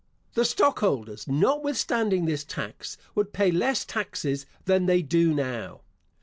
The stockholders, notwithstanding this tax, would pay less taxes than they do now.